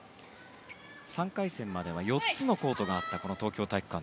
３回戦までは４つのコートがあったこの東京体育館。